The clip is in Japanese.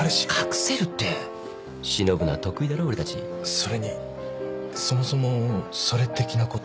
それにそもそもそれ的なこと？